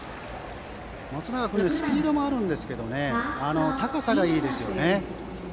松永君はスピードもあるんですが高さがいいですよね。